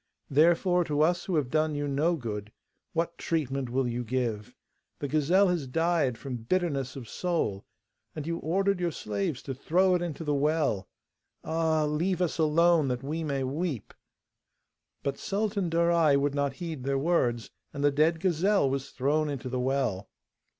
Therefore, to us who have done you no good, what treatment will you give? The gazelle has died from bitterness of soul, and you ordered your slaves to throw it into the well. Ah! leave us alone that we may weep.' But Sultan Darai would not heed their words, and the dead gazelle was thrown into the well.